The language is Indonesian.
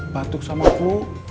batuk sama ku